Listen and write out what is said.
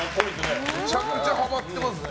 めちゃくちゃハマってますね。